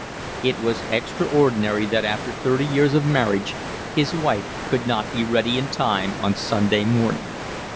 It was extraordinary that after thirty years of marriage his wife could not be ready in time on Sunday morning.